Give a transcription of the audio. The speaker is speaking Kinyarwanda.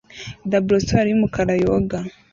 Laboratoire y'umukara yoga